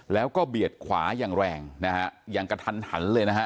แล้วก็เบียดขวาอย่างแรงนะฮะอย่างกระทันหันเลยนะฮะ